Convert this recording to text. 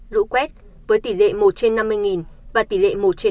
lũ quét với tỷ lệ một trên năm mươi và tỷ lệ một trên hai mươi năm